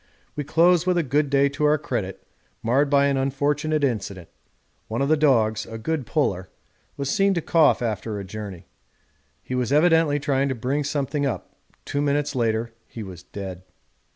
We close with a good day to our credit, marred by an unfortunate incident one of the dogs, a good puller, was seen to cough after a journey; he was evidently trying to bring something up two minutes later he was dead.